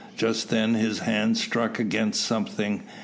Just then his hand struck against something.